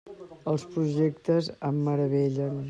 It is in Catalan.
Els projectes em meravellen.